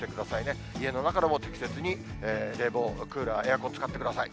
家の中でも適切に冷房、クーラー、エアコン、つかってください。